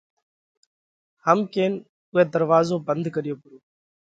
هم ڪينَ اُوئہ ڌروازو ڀنڌ ڪريو پرو۔